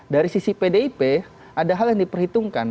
dari sisi pdip ada hal yang diperhitungkan